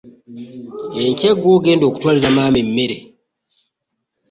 Enkya ggwe ogenda okutwalira maama emmere.